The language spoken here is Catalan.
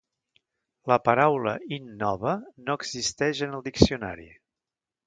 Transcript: La paraula "innova" no existeix en el diccionari.